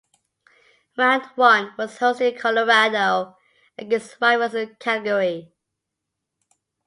Round one was hosted in Colorado against rivals Calgary.